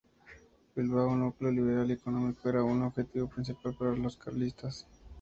Bilbao, núcleo liberal y económico, era un objetivo principal para los carlistas.